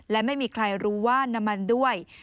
และไม่มีใครรู้ว่าน้ำมันด้วย